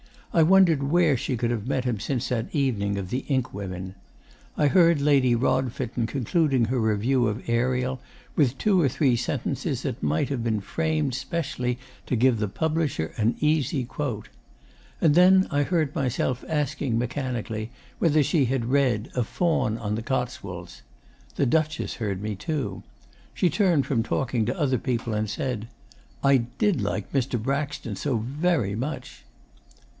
I wondered where she could have met him since that evening of the Inkwomen. I heard Lady Rodfitten concluding her review of "Ariel" with two or three sentences that might have been framed specially to give the publisher an easy "quote." And then I heard myself asking mechanically whether she had read "A Faun on the Cotswolds." The Duchess heard me too. She turned from talking to other people and said "I did like Mr. Braxton so VERY much."